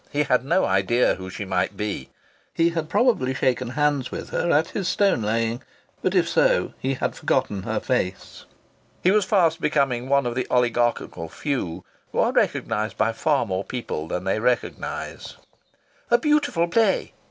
He had no idea who she might be. He had probably shaken hands with her at his stone laying, but if so he had forgotten her face. He was fast becoming one of the oligarchical few who are recognized by far more people than they recognize. "A beautiful play!"